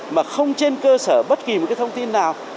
mà không trên cơ sở bất kỳ một cái thông tin nào